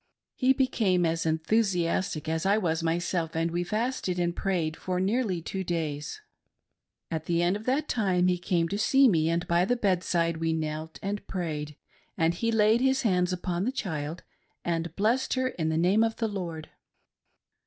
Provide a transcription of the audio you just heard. He became as enthusiastic as I was myself, and we fasted and prayed for nearly two days. At the end of that time he came to see me, and by the bedside we knelt and prayed, and he laid his hands upon the child and blessed her in the name of the Lord.